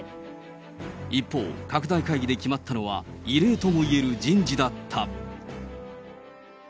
一方、拡大会議で決まったのは、異例ともいえる人事だった。